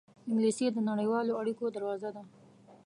انګلیسي د نړیوالو اړېکو دروازه ده